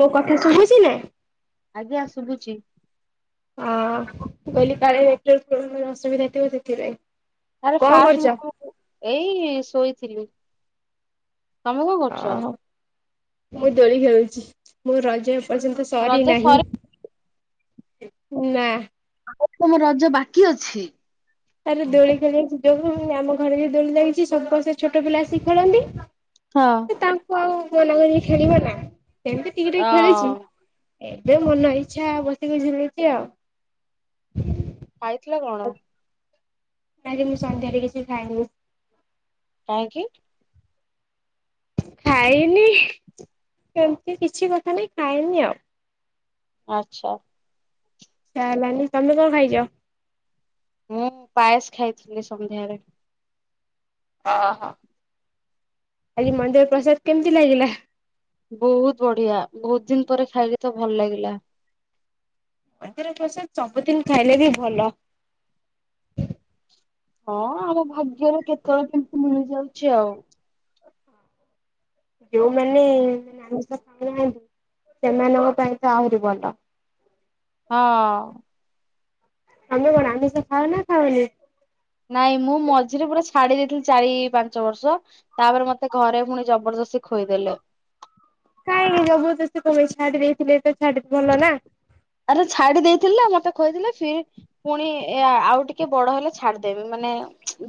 ମୋ କଥା ଶୁଭୁଛି ନା? ଆଜ୍ଞା ଶୁଭୁଛି। ହଁ ମୁଁ କହିଲି କାଳେତୋ ଫୋନରେ ଅସୁବିଧା ଥିବ ସେଥିପାଇଁ। ଆରେ କଣ ଫାଷ୍ଟ କରୁଛ? ମୁଁ କ ଏଇ ଶୋଇଥିଲି। ତମେ କଣ କରୁଛ? ଓହୋ ମୁଁ ଦୋଳି ଖେଳୁଛି ମଁ ରଜ ଏ ପର୍ଯ୍ୟନ୍ତ ରଜ ସରିନାହିଁ ସରି ନା। ଆ ତମ ରଜ ବାକି ଅଛି? ତାରେ ଦୋଳି ଖେଳିବାକୁ ଯିବାକୁ ଆମ ଘରେ ଯଉ ଦୋଳି ଲାଗିଛି ସବୁପା ସେଇ ଛୋଟ ପିଲା ଆସିକି ଖେଳନ୍ତି। ହଁ। ତ ତାଙ୍କୁ ଆଉ ମନା କରିକି ଖେଳିବ ନା ସେମତି ଟିକେ ଅ ଟିକେ ଖେଳିଚି ଏବେ ମନ ଇଚ୍ଛା ବସିକି ଝୁଲୁଚି ଆଉ। ଖାଇଥିଲା କଣ? ନାଇଁ ଯେ ମୁଁ ସନ୍ଧ୍ୟାରେ କିଛି ଖାଇନି। କାହିଁକି? ଖାଇନି ସେମିତି କିଛି କଥା ନାଇଁ ଖାଇନି ଆଉ। ଆଚ୍ଛା। ଇଚ୍ଛା ହେଲାନି ତମେ କଣ ଖାଇଚ? ମୁଁ ପାଏସ ଖାଇଥିଲି ସନ୍ଧ୍ୟାଏଳେ। ଅ ହ ଆଜି ମନ୍ଦିର ପ୍ରସାଦ କେମିତି ଲାଗିଲା? ବହୁତ ବଢିଆ ବହୁତ ଦିନ ପରେ ଖାଇଲି ତ ଭଲ ଲାଗିଲା। ମନ୍ଦିର ପ୍ରସାଦ ସବୁଦିନ ଖାଇଲେ ବି ଭଲ। ହଁ ଆମ ଭାଗ୍ୟରେ କେତେବେଳେ କେମିତି ମିଳିଯାଉଚି ଆଉ। ଯୋଉମାନେ ଆମିଷ ଖଉନାହାନ୍ତି ସେମାନଙ୍କ ପାଇଁ ତ ଆହୁରି ଭଲ। ହଁ। ତମେ କଣ ଆମିଷ ଖାଅ ନା ଖାଅନି? ନାଇଁ ମୁଁ ମଝିରେ ପୁରା ଛାଡି ଦେଇେଇଥିଲି ଚାରି ପାଞ୍ଚ ବର୍ଷ। ତାପରେ ମତେ ଘରେ ପୁଣି ଜବରଦସ୍ତି ଖୋଇଦେଲେ। କାଇହିଁକି ଜବରଦସ୍ତ କାଲେ ଛାଡି ଦେଇଥିଲେ ତ ଛାଡି ଭଲ ନା। ଆରେ ଛାଡି ଦେଇଥିଲେ ନା ମତେ ଖୋଇଦେଲେ ଫିର ପୁଣି ଏ ଆଉ ଟିକେ ବଡ ହେଲେ ଛାଡିଦେବି ମାନେ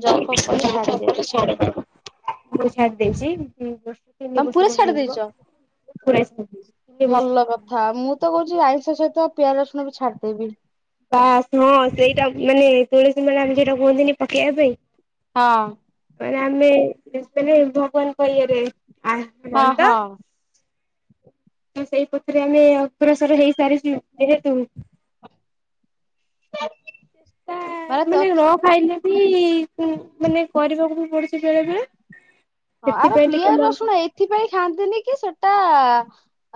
ଜବ୍ ଫବ୍ କଲେ ମୁଁ ଛାଡିଦେବି। ଛାଡ଼ି ଦେଇଚି [unintelligible] ତିନି ବର୍ଷ ଖଣ୍ଡେ ତମେ ପୁରା ଛାଡି ହେଇଯିବ ଦେଇଚ? ମୁଁ ପୁରା ଛାଡିଦେଇଚି [unintelligible] ଥା ମୁଁ ତ କହୁଚି ଆଇଁଷ ସହିତ ପିଆଜ ରସୁଣ ବି ଛାଡିଦେବି। ବାସ୍ ହଁ ସେଇଟା ମାନେ ତୁଳସୀ ମାଳା ଆମେ ଯୋଉଟା କୁହନ୍ତିନି ପକେଇବା ପାଇଁ ହଁ। ଟା ପରେ ଆମେ [unintelligible] ଭବାନଙ୍କ ଇଏରେ ଆ ହଁ କଣ ତ ହଁ ସେଇ ପଥରେ ଆମେ ଅଗ୍ରସର ହେଇ ସାରିଚୁ ଯେହେତୁ [inaudible] ସେଟା ମାନେ ନ ଖାଇଲେ ବି ମାନେ କରିବାକୁ ପଡୁଚି ବେଳେ ବେଳେ ହଁ ଆରେ ସେଥିପାଇଁ ଟିକେ ପିଆଜ ମ ରସୁଣ ଏଇଥିପାଇଁ ଖାଆନ୍ତିନି କି ସେଟା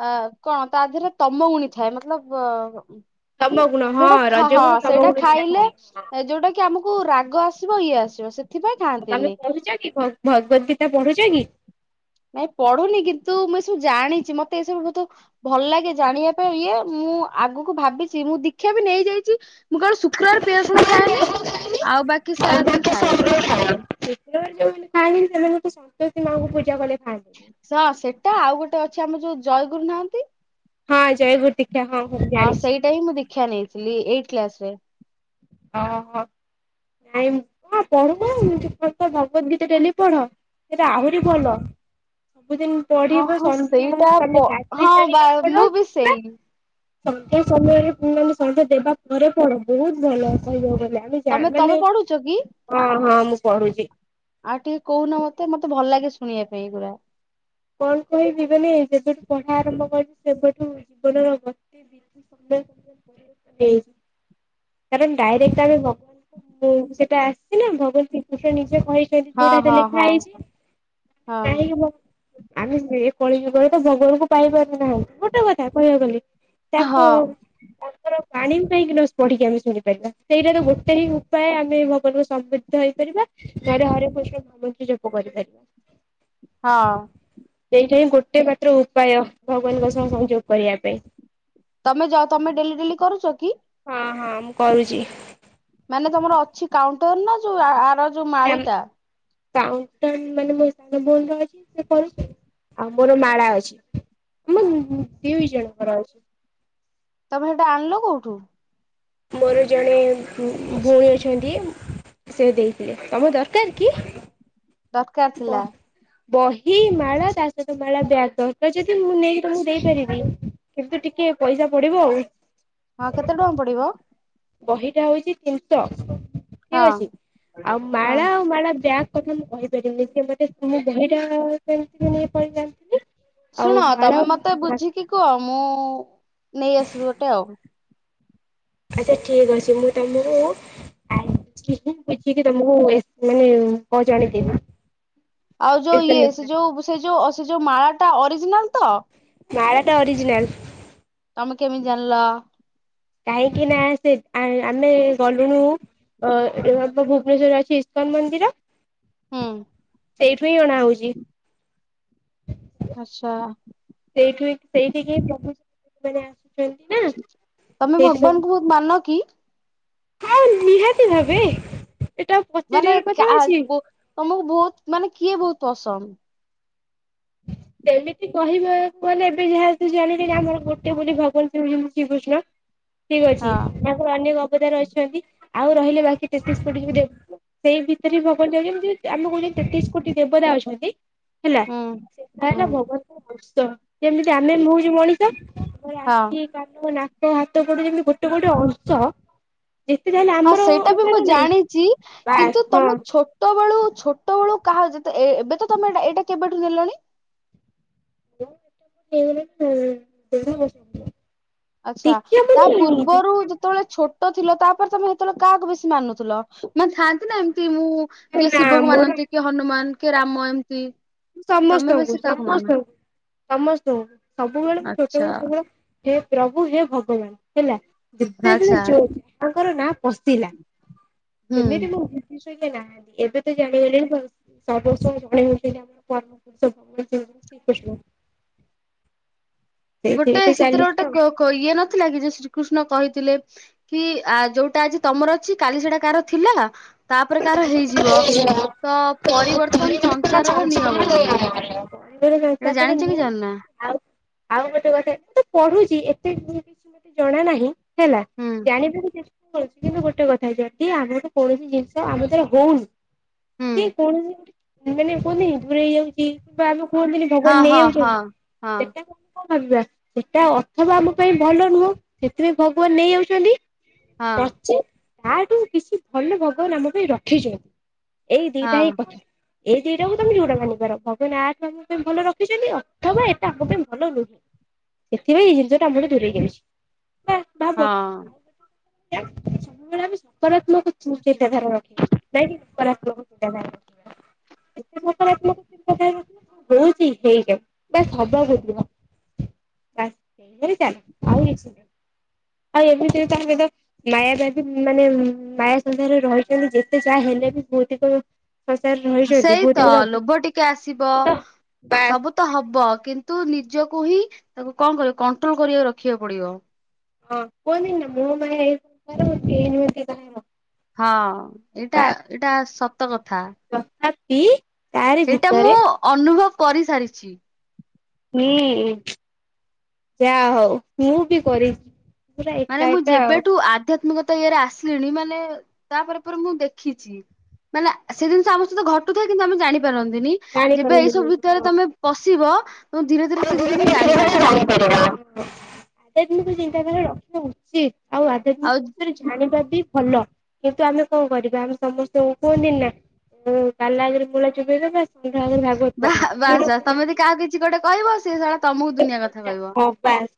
ଅ କଣ ତା ଦେହରେ ତମ ଗୁଣି ଥାଏ ମତଲବ ତମ ଗୁଣ ହଁ ସେଟା ଖା ରଜ ହଁ ଗୁଣ ତମ ସେଇଟା ଗୁଣ ଯୋଉଟା ଖାଇଲେ ଥାଏ। ହଁ ଯୋଉଟା କି ଆମକୁ ରାଗ ଆସିବ ଇଏ ଆସିବ ସେ ତମେ ପଢୁଛ କି ଭ ଭଗବତ ଗୀତା ପଢୁଛ କି? ନାଇଁ ପଢୁନି କିନ୍ତୁ ମୁଁ ଏସବୁ ଜାଣିଚି ମତେ ଏସବୁ ବହୁତ ଭଲ ଲାଗେ ଜାଣିବା ପାଇଁ ଇଏ ମୁଁ ଆଗକୁ ଭାବିଚି ମୁଁ ଦୀକ୍ଷା ବି ନେଇ ଯାଇଚି ମୁଁ କେବଳ ଶୁକ୍ରବାର ପିଆଜ ରସୁଣ ଖାଏନି ଆଉ ବାକି ସାରାଦିନ ବାକି ଖାଏ। ସବୁବେଳେ ଶୁକ୍ରବାର ଯୋଉମାନେ ଖାଆନ୍ତିନି ସେମାନଙ୍କୁ ସନ୍ତୋଷୀ ମାଆଙ୍କୁ ପୂଜା କଲେ ଖାଆନ୍ତିନି। ସା ସେଟା ଆଉ ଗୋଟେ ଅଛି ଆମର ଯୋଉ ଜୟଗୁରୁ ନାହାନ୍ତି? ହଁ ଜୟଗୁରୁ ଦୀକ୍ଷା ହଁ। ହଁ ଜାଣିଛି ସେଇଟା ହିଁ ମୁଁ ଦୀକ୍ଷା ନେଇଥିଲି ଏଇଟ୍ କ୍ଲାସ ରେ। ଓହୋ। ନାଇଁ ହଁ ପଢୁ ନ ଭଗବତ୍ ଗୀତା ଡେଲି ପଢ? ସେଟା ଆହୁରି ଭଲ ସବୁଦିନ ହଁ ପଢିବ ହଁ ସନ୍ଧ୍ୟା ସେଇଟା ପ ତମେ ଗାଧେଇ ହଁ ବା ସାରିକି ପଢ଼ ମୁଁ ବି ସେଇ ସନ୍ଧ୍ୟା ସମୟରେ ମାନେ ସନ୍ଧ୍ୟା ଦେବା ପରେ ପଢ ବହୁତ ଭଲ କହିବାକୁ ଗଲେ ଅନୀ ଯା ତମେ ତମେ ମାନେ ପଢୁଛ କି? ହଁ ହଁ ମୁଁ ପଢୁଚି। ଆ ଟିକେ କହୁନ ମତେ ମତେ ଭଲ ଲାଗେ ଶୁଣିବା ପାଇଁ ଏଇଗୁରା। କଣ କହିବି ମାନେ ଯେବେଠୁ ପଢା ଆରମ୍ଭ କରିଛି ସେବେଠୁ ଜୀବନର ଗ [unintelligible] କାରଣ ଡ଼ାଇରେକ୍ଟ ଆମେ ଭଗବାନଙ୍କୁ ସେଟା ଆସିଚି ନା, ଭଗବାନ ଶ୍ରୀକଷ୍ଣ ନିଜେ କହି ସେଠି ହଁ ଯୋଉଟା ହଁ ଲେଖା ହଁ। ହେଇଚି ହଁ [unintelligible] ଆମେ ଏ କଳି ଯୁଗରେ ତ ଭଗବାନଙ୍କୁ ପାଇପାରୁ ନାହାନ୍ତି, ଗୋଟେ କଥା କହିବାକୁ ଗଲେ। ହଁ ତାକୁ ତାଙ୍କର ବାଣୀ କାହିଁକି ନ ପଢିକି ଆମେ ଶୁଣିପାରିବା, ସେଇଟା ତ ଗୋଟେ ହିଁ ଉପାୟ ଆମେ ଭଗବାନଙ୍କୁ ସମୃଦ୍ଧ ହେଇପାରିବା। ନହେଲେ ହରେ କୃଷ୍ଣ ନାମ ହି ଜପ କରିପାରିବା। ହଁ। ସେଇଟା ହିଁ ଗୋଟେ ମାତ୍ର ଉପାୟ ଭଗବାନଙ୍କ ସହ ସଂଯୋଗ କରିବା ପାଇଁ। ତମେ ଜ ତମେ ଡେଲି ଡେଲି କରୁଚ କି? ହଁ ହଁ ମୁଁ କରୁଚି। ମାନେ ତମର ଅଛି କାଉଣ୍ଟର ନା ଯୋଉ ଆର ଯୋଉ ମାଳି ଟା? କାଉଣ୍ଟର ମାନେ ମୋ ସାନ ଭଉଣୀ ର ଅଛି ସେ କରୁଚି, ଆଉ ମୋର ମାଳା ଅଛି। ଆମ ଦୁଇ ଜଣ ଙ୍କର ଅଛି। ତମେ ହେଟା ଆଣିଲ କୋଉଠୁ? ମୋର ଜଣେ ଭଉଣୀ ଅଛନ୍ତି ସେ ଦେଇଥିଲେ ତମ ଦରକାର କି? ଦରକାର ବ ଥିଲା ବହି ମାଳା ତା ସହିତ ମାଳା ବ୍ୟାଗ ଦରକାର ଯଦି ମୁଁ ନେଇକି ତମକୁ ଦେଇପାରିବି। କିନ୍ତୁ ଟିକେ ପଇସା ପଡିବ ଆଉ। ହଁ କେତେ ଟଙ୍କା ପଡିବ? ବହିଟା ହଉଛି ତିନିଶ। ଠିକ ହଁ ଅଛି, ଆଉ ହଁ ମାଳା ଆଉ ମାଳା ବ୍ୟାଗ୍ କଥା ମୁଁ କହି ପାରିବି, ସେ ମତେ ମୁ ବହିଟା କେ [unintelligible] ଜାଣିଥିଲି। ଆଉ ଶୁଣ ମାଳ ତମେ ମତେ ଆଚ୍ଛା ବୁଝିକି କୁହ ମୁଁ ନେଇଆସିବି ଗୋଟେ ଆଉ। ଆଚ୍ଛା ଠିକ ଅଛି, ମୁଁ ତମକୁ [unintelligible] ବୁଝିକି ତମକୁ ମାନେ କ ଜ ଆଣିିକିବି। ଆଉ ଯୋଉ ଇଏ ସେ ଯୋଉ ସେ ଯୋଉ ସେ ଯୋଉ ମାଳା ଟା ଅରିଜିନାଲ ତ? ମାଳଟା ଅରିଜନାଲ। ତମେ କେମିତି ଜାଣିଲ? କାହିଁକି ନା ସେ ଆମେ ଗଲୁନୁ ଅ ଭୁବନେଶ୍ୱର ଅଛି ଇସ୍କାନ ମନ୍ଦିର। ହୁଁ ସେଇଥି ପାଇଁ ଅଣା ହଉଚି। ଆଛା। ସେଇଠୁ [unintelligible] ତମେ ସେଇଠି ସବୁ ଭଗବାନଙ୍କୁ ବହୁତ ମାନ କି? ହଁ ନିହାତି ଭାବେ ଏଟା ମାନେ ପଚାରିବାର କଥା କାହା ଅଛି। ତମକୁ ବହୁତ ମାନେ କିଏ ବହୁତ ପସନ୍ଦ? ସେମିତି କହିବା ମାନେ ଏବେ ଯାହାେତୁ ଜାଣିଲେ ଆମର ଗୋଟେ ବୋଲି ଭଗବାନ ଶ୍ରୀ ଶ୍ରୀକୃଷ୍ଣ। ଠିକ୍ ଅଛି ହଁ ତାଙ୍କର ଅନେକ ଅବଦାର ଅଛନ୍ତି ଆଉ ରହିଲେ ବାକି ତେତିଶ କୋଟିକି ବି ସେଇ ଭିତରେ ଭଗବାନ ଯତି ଆମେ କହୁଛ ତେତିଶ କୋଟି ଦେବତା ଅଛନ୍ତି ହେଲା। ହୁଁ ସେଟା ହୁଁ ହେଲା ଭଗବାନଙ୍କ ବତ୍ସ ଯେମିତି ଆମେ ବି ହୋଉଚି ମଣିଷ ଆମର ହଁ ଆଖି ତାଙ୍କ ନାକ ହାତ ଗୋଟେ ଯେମିତି ଗୋଟେ ଗୋଟେ ଅଂଶ ଯେତେ ଯାହାଲେ ଆ ହଁ ସେଇଟା ବି ମୁଁ ଜାଣିଚି ବାସ୍ କିନ୍ତୁ ହଁ ତମ ଛୋ ଛୋଟବେଳୁ ଛୋଟବେଳୁ କାହାର ଯେତେ ଏବେ ତମେ ଏଇଟା କେବେଠୁ ନେଲଣି [unintelligible] ଆଚ୍ଛା ଦେଖିବା ତା ମୁଁ ନେଇନି ପୂର୍ବରୁ ଦେଖିବା ଯେତେବେଳେ ଛୋଟ ଥିଲ ତାପରେ ତମେ ସେତେବେଳେ କାହାକୁ ବେଶୀ ମାନୁଥିଲ ମାନେ ଥାଆନ୍ତି ନା ଏମିତି ମୁଁ କିଏ ନା ଶିବ ଙ୍କୁ ମୋର ମାନନ୍ତି କିଏ ହନୁମାନ କିଏ ରାମ ଏମତି ସମସ୍ତଙ୍କୁ ସମସ୍ତଙ୍କୁ ସମସ୍ତଙ୍କୁ ସବୁବେଳେ ଆଚ୍ଛା ଛୋଟବେଳୁ କେବଳ ହେ ପ୍ରଭୁ ହେ ଭଗବାନ ହେଲା ଯେତେବେଳେ ଯୋଉ ତାଙ୍କର ନାଁ ପଶିଲା ଁ ତମେ ବି ମୁଁ [unintelligible] ନାହାନ୍ତି ଏବେ ତ ଜାଣି ଗଲେଣି ଆଉ। [unintelligible] ଗୋଟେ ଏଇଠି ଚାଲିଛି ସେଥିରେ ଆଉ। ଗୋଟେ ଇଏ ନଥିଲା କି ଯୋ ଶ୍ରୀକୃଷ୍ଣ କହିଥିଲେ କି ଆ ଯୋଉଟା ଆଜି ତମର ଅଛି କାଲି ସେଟା କାହାର ଥିଲା। ତାପକାର ହେଇଯିବ ତ ପରିବର୍ତ୍ତନ ପରିବାର ସଂସାରର ନିୟମ ବୋଲି ପରିବାର ଏଇଟା ଯେହେଟୁ ଜାଣିଛ କି ପମାନେ ଜାଣିନା? ଆଉ ଆଉ ଗୋଟେ କଥା ମୁଁ ତ ପଢୁ। ଛି ଏତେ କିଛି ମତେ ଜଣା ନାହିଁ ହେଲା ହୁଁ ଜାଣିବାକୁ ଚେଷ୍ଟା କରୁଛି କିନ୍ତୁ ଗୋଟେ କଥା ଯଦି ଆମ ଗୋଟେ କୌଣସି ଜିନିଷ ତ ଆମର ଦ୍ୱାର ହୋଉନି ହୁଁ କି କଣ ପାଇଁ ଗୋଟେ। ମାନେ କୁହନ୍ତିି ଦୂରେ ହେଇଯାଉଛି କିମ୍ବା ଆମେ କୁହନ୍ତୁନ ହଁ ଭଗବାନ ହଁ ହଁ ନେଇଯାଉଛନ୍ତି ହଁ ସେଟା କଣ ଭାବିବା ସେଟା ଅର୍ଥ ବା ଆମ ପାଇଁ ଭଲ ନୁହଁ ସେଥିପାଇଁ ଭଗବାନ ନେଇ ଯାଉଛନ୍ତି। ହଁ ନଚେତ୍‌ ଆଠୁ କିଛି ଭଲ ଭଗବାନ ଆମ ପାଇଁ ରଖିଛନ୍ତି। ଏଇ ଦିଇଟା ହିଁ ହଁ କଥା। ଏଇ ଦିଇଟାକୁ ତମେ ଯୋଉଟା ଭଲ ପର ଭଗବାନ ଆମ ପାଇଁ ଭଲ ରଖିଛନ୍ତି ଅଥବା ଏଟା ଆମ ପାଇଁ ଭଲ ନୁହେଁ। ସେଥିପାଇଁ ଏଇ ଜିନିଷ ଟା ଆମର ଦୂରେଇ ଯାଉଚି। ଭାବ ହଁ ଆ ସବୁବେଳେ ଆମେ ସକାରାତ୍ମକ ଚିନ୍ତାଧାରଣା। ନାଇକି ନକାତ୍ମକ ଚିନ୍ତାଧାରା ରଖିବା ଏତେ ନକରାତ୍ମକ ଚିନ୍ତା ରଖିବା। ହୋଉଚି ହେଇଟା ବାସ୍ ହବାକୁ ଦିଅ। ଚା ହେ଼ଇଗଲା ଚାଲ୍ ଆଉ କିଛି ନାହିଁ। ଆଉ ଏମିତି ତାହାଲେ ତ ମାୟା ବାବି ମାନେ ମାୟା ସଂସାରେ ରହି କହିଲି ଯେତେ ଯାଏ ହେଲେ ବି ପୁଅଟେ ତ। ସାଂସାର ରେ ରହିଛନ୍ତି ସେଇ ତ ବିଭୂତି ବାବୁ ଲୋଭ ଟିକେ ଆସିବ ସବୁ ତ ହବ କିନ୍ତୁ ନିଜକୁ ହିଁ ତାକୁ କଣ କରିବ କଣ୍ଟ୍ରୋଲ କରିବାକୁ ରଖିବାକୁ ପଡିବ। ହଁ ହବନି ନା ମୁଁ ପାଇଁ ତିନ ରୁ ଏଗାର ଟା ହବ। ହଁ ଏଟା ଏଟା ସତ କଥା। ତଥାପି ତାରି ସେଇଟା ମୁଁ ଭିତରେ ଅନୁଭବ କରିସାରିଚି। ହୁଁ ଯାହା ହୋଉ ମୁଁ ବି କରିଚି। ମାନେ ମୁଁ, ଯେବେଠୁ ଆଧ୍ୟାତ୍ମିକତା ଇଏରେ ଆସିଲିଣି, ମାନେ ତା'ପରେ ପରେ ମୁଁ ଦେଖିଚି। ମାନେ ସେ ଜିନିଷ ଆମ ସହିତ ଘଟୁଥାଏ। କିନ୍ତୁ ଆମେ ଜାଣିପାରନ୍ତିନି। ଯେବେ ଏଇ ଜାଣିପାରନ୍ତିନି ସବୁ ଭିତରେ ତମେ ପଶିବ, ତ ଧୀରେ ଧୀରେ ସେ ଜିନିଷ ତମେ ଜାଣିପାରିବଁ। ଅଧ୍ୟାତ୍ମିକ ଚିନ୍ତାଧାରା, ରଖିବା ଉଚିତ୍। ଆଉ ଆଉ ଅଧ୍ୟାତ୍ମିକ ବିଷୟରେ ଜା ଜାଣିବା ବି ଭଲ, କିନ୍ତୁ ଆମେ କଣ କରିବା ଆମେ ସମସ୍ତଙ୍କୁ କୁହନ୍ତିନିନା କାଲା ଆଗରେ ମୂଳା ଚୋବେଇଦବା, ଷଣ୍ଢ ଆଗରେ ଭାଗବତ୍ ବା ପଢ଼ିବା ବାସ୍ ଯୋଉଟା ବାସ୍ ତମେ କୁହନ୍ତି। ଯଦି କାହାକୁ କିଛି ଗୋଟେ କହିବ, ସେ ଶଳା ତମକୁ ଦୁିନିଆ କଥା କ ହଁ ବାସ୍,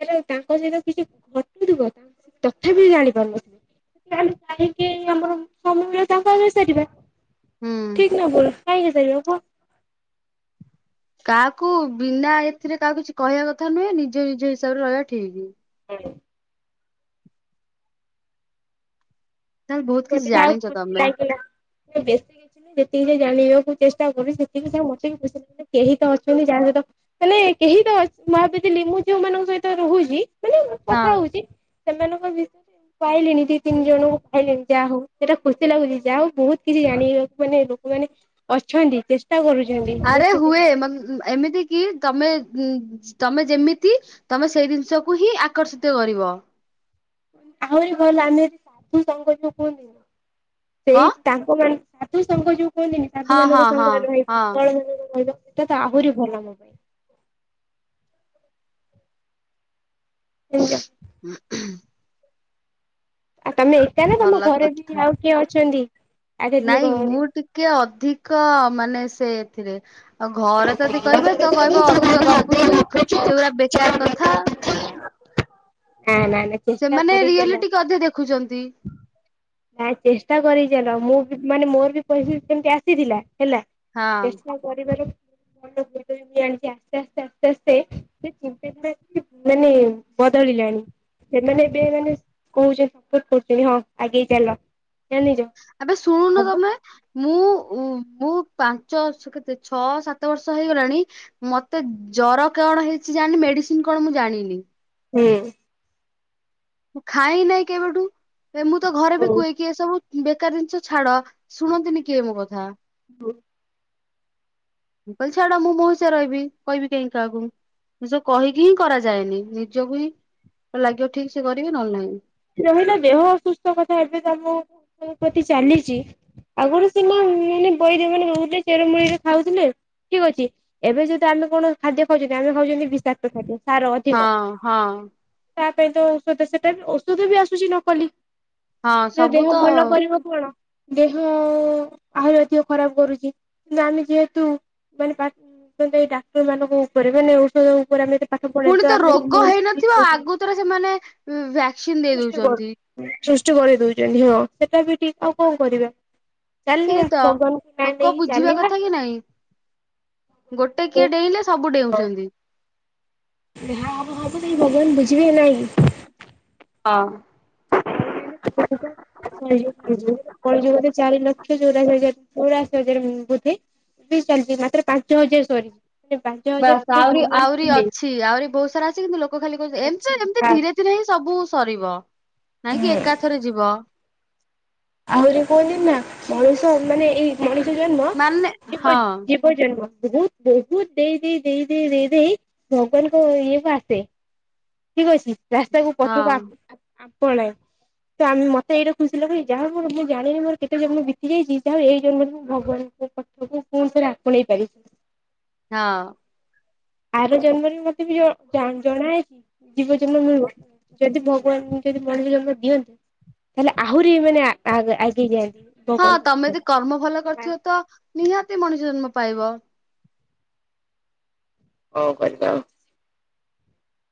ହେଲେ ତାଙ୍କ ସହିତ କିଛି ଘଟୁଥୁବ। ତାଙ୍କୁ ତଥାପି ଜାଣି ପାରୁନଥିବ। ତା, ହେଲେ କାହିଁକି ଆମର ସମୟରା, ତାଙ୍କ ଆଗରେ ସାରିବା? ହୁଁ। ଠିକ୍ ନା ଭୁଲ୍ କାଇଁହେଇପାରିବ କୁହ? କାହାକୁ ବିନା ଏଥିରେ କାହାକୁ କିଛି କହିଆ କଥା ନୁହେଁ। ନିଜେ ନିଜ ହିସାବରେ ରହିବା ଠିକ୍। ହଁ। ତାହେଲେ ବହୁତ କିଛି ମୋତେ ଯାହା ହଉ ଜାଣିଛ ଖୁସି ତମେ ଲାଗିଲା। ମୁଁ ବେଶୀ ଯେତିକି ଯାଏ ଜାଣିବାକୁ ଚେଷ୍ଟା କରୁଛି, ସେତିକି ସେ ମତେ ବି ପଇସା [inaudible] କେହି ତ ଅଛନ୍ତି, ଯାହା ସହିତ। ହେଲେ କେହି ତ ଅଛ୍ ମୁଁ ଭାବିଥିଲି, ମୁଁ ଯେଉଁ ମାନଙ୍କ ସହିତ ରହୁଚି ମାନେ ହଁ। କଥା ହଉଛି, ସେମାନଙ୍କ ବିଷ୍ ପାଇଲିଣି ଦି ତିନି ଜଣଙ୍କୁ ପାଇଲିଣି। ଯାହା ହଉ ସେଟା ଖୁସି ଲାଗୁଚି, ଯାହା ହଉ ବହୁତ କିଛି ଜାଣି ବାକୁ ମାନେ ଲୋକମାନେ ଅଛନ୍ତି। ଚେଷ୍ କ୍ଷା କରୁଛନ୍ତି, ଆରେ ବେଶୀତିକ ହୁଏ ମା- ଏମିତି କି ତମେ ଉଁ ତମେ ଯେମିତି, ତମେ ସେଇ ଜିନିଷକୁ ହିଁ ଆକର୍ଷିତ କରିବ। ଆହୁରି ଭଲ, ଆମେ ଯଦି ସାଧୁସଙ୍ଗ ଯଉ କୁହନ୍ତିିନି, କଣ ସେଇ ତାଙ୍କ ମାନ ସାଧୁ ସଂଙ୍ଗ ଯୋଉ କୁହନ୍ତିନି, ହଁ ସାଧୁ ହଁ ମାନଙ୍କ ହଁ ସଂଙ୍ଗରେ ରହିବ, ହଁ ତଳ ମାନଙ୍କ ରେ ରହିବ। ଏଇଟା ତ ଆହୁରି ଭଲ ମୋ ପାଇଁ। ଆଜ୍ଞା। [inaudible] ଆଉ, ତମେ ଏକା ନା ତମ ଭଲ ଘରେ ବି କଥା ଆଉ କିଏ ଅଛନ୍ତି, ଆଧ୍ୟାତ୍ମିକଅରେ? କିଏ ଅଧିକ ମାନେ ସେ ଏଥିରେ। ଆଉ ଘରେ ଯଦି କହିବେ ତ କହିବ ଅଧିକ ଗପୁଛୁ, ସେଗୁରା ବେକାର କଥା। ଆଁ, ନାଇଁ ନାଇଁ। ସେମାନେ ରିୟଲି ଟିକେ ଅଧେ ଦେଖୁଛନ୍ତି। ନାଇଁ ଚେଷ୍ଟା କରି ଚାଲ, ମୁଁ ବି ମାନେ ମୋର ବି ପରିସ୍ଥିତି ସେମତି ଆସିଥିଲା ହେଲା। ହଁ ଚେଷ୍ଟା କରିବାରୁ [inaudible] ଆସ୍ତେ ଆସ୍ତେ ଆସ୍ତେ, ସେ କୁଂପି ଗୁଡାକି ମାନେ ବଦଳିଲାଣି। ସେମାନେ ଏବେ ମାନେ କହୁଛନ୍ତି, ସପୋର୍ଟ କରୁଛନ୍ତି ହଁ, ଆଗେଇ ଚାଲ। ଜାଣିଛ। ଆବେ ଶୁଣୁନ ତମେ ମୁଁ ଉ ମୁଁ ପାଞ୍ଚ ସ କେତେ, ଛଅ ସାତ ବର୍ଷ ହେଇଗଲାଣି। ମତେ ଜର କଣ ହେଇଛି, ଜାଣିନି। ମେଡିସିନ କଣ ମୁଁ ଜାଣିନି। ହୁଁ। ମୁଁ ଖାଇ ନାହିଁ କେବେଠୁ? ଏ ମୁଁ ତ ଘରେ ବି ହଉ କୁହେକ୍ କି ଏସବୁ ବେକାର ଜିନିଷ ଛାଡ। ଶୁଣନ୍ତିନି କିଏ ମୋ କଥା। ବୁ ମୁଁ କହିଲି ଛାଡ, ମୁଁ ମୋ ହିସାବରେ ରହିବି, କହିବି କାହିଁ କାହାକୁ? ଏସବ୍ କହିକି ହିଁ କରାଯାଏନି। ନିଜକୁ ହିଁ ଲାଗିବ ଠିକ୍ ସେ କରିବେ ନହେଲେ ନାହିଁ। ରହିିଲ ଦେହ ଅସୁସ୍ଥ କଥା ଏବେ ତମୁ [inaudible] ପ୍ରତି ଚାଲିଛି। ଆଉ ସେ ମା ମାନେ ବଇଦ ମାନେ ରହୁଥିଲେ ଚେରମୂଳିରେ ଖାଉଥିଲେ। ଠିକ ଅଛି ଏବେ ଯଦି ଆମେ କଣ ଖାଦ୍ୟ ଖାଉଛନ୍ତି ଆମେ ଖାଉଛନ୍ତି ବିଷାକ୍ତ ଖାଦ୍ୟ। ସାର ଅଧିକ ହଁ ହଁ ତା ପାଇଁ ତ ଔଷଧ ସେଟାରେ ପ୍ରସ୍ତତି ବି ଆସୁଛି ନକଲି। ହଁ ସେ ସବୁ ଦେହ ତ ଭଲ କରିବ କଣ ଦେହ ଆହୁରି ଅଧିକ ଖରାପ କରୁଛି କିନ୍ତୁ ଆମେ ଯେହେତୁ ମାନେ ଏଇ ଡାକ୍ତର ମାନଙ୍କ ଉପରେ ମାନେ ଔଷଧ ଉପରେ ଆମେ ପାଠ ପୁଣି ତ ରୋଗ ହେଇନଥିବ ପଢଯ୍ୟନ୍ତ [unintelligible] ଆଗତୁରା ସେମାନେ ଭ୍ୟାକ୍ସିନ ଦେଇ ଦଉଛନ୍ତି। କରୁ ସୃଷ୍ଟି କରି ଦଉଛନ୍ତି ହଁ ସେଟା ବି ଠିକ ଆଉ କଣ କରିବା। ଚାଲିବା ସେଇ ତ ଭଗବାନଙ୍କୁ ନାଁ ଲୋକ ନେଇକି ବୁଝିବା ଚାଲିବା। କଥା କି ନାଇଁ ଗୋଟେ କିଏ ଡେଇଁଲେ ସବୁ ଡେଇଉଁଛନ୍ତି। ହ ହବ ତଇ ଭଗବାନ ବୁଝିବେ ନାଇକି? ହଁ [unintelligible] ଳିଯିବଧ ଚାରି ଲକ୍ଷ ଚଉରାଶ ହଜାର ଚଉରାଶ ହଜାର ବୋଧେ? ଏବେ ଚାଲିଛି ମାତ୍ର ପାଞ୍ଚ ହଜାର ସରିଛି। ବାସ ହଜାର ଆହୁରି ଭଗବାନ ଆହୁରି ଥିଲେ ଅଛି ଆହୁରି ବହୁତ ସାରା ଅଛି କିନ୍ତୁ ଲୋକ ଖାଲି ଅଛି କହୁଛନ୍ତିମତି ଏମିତି ଧୀରେ ସେିନ ହିଁ ସବୁ ସରିବ। ନାଇଁ ହଁ। କି ଏକାଥରେ ଯିବ। ଆହୁରି କୁହନ୍ତି ନା ମଣିଷ ମାନେ ଏଇ ମଣିଷ ଜନ୍ମ ମାନେ ହଁ ଯିବ ଜମ ବହୁତ ବହୁତ ଦେଇ ଦେଇ ଦେଇ ଦେଇ ଦେଇ ଦେଇ ଭୋଗଲ କ ଇଏ ବି ଆସେ ଠିକ ଅଛି ରାସ୍ତାକୁ ପଛକୁ ହଁ ଆପଣ ତ ଆମେ ମତେ ଏଇଟା ଖୁସି ଲଖାଇ ଯାହା ହଉ ମୁଁ ଜାଣିନି ମୋର କେତେ ଜନ୍ମ ବିତିଯାଇଛି ଯାହାଉ ଏଇ ଜନ୍ମରେ ମୁଁ ଭଗବାନଙ୍କ ପାଖକୁ ପୁଣିଥରେ ଆପଣେଇ ପାରିଛି। ହଁ ଆର ଜନ୍ମରେ ମତେ ବି ଜଣାହଇଛି [unintelligible] [unintelligible] ଯଦି ଭଗବାନ ଯଦି ମଣିଷ ଜନ୍ମ ଦିଅନ୍ତି ତାହେଲେ ଆହୁରି ମାନେ ଆଗେଇ ଯାଆନ୍ତି। ହଁ ଭଗବାନଙ୍କ ତମେ ଯଦି ପାଖରେ କର୍ମ ଭଲ କରିଥିବ ତ ନିହାତି ମଣିଷ ଜନ୍ମ ପାଇବ। ହଉ କରିବା